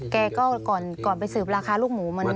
แกก็ก่อนไปสืบราคาลูกหมูมัน